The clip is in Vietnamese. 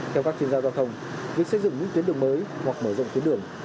theo các chuyên gia giao thông việc xây dựng những tuyến đường mới hoặc mở rộng tuyến đường